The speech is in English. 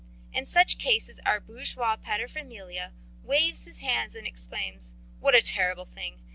In such cases our bourgeois paterfamilias waves his hands and exclaims: 'What a terrible thing!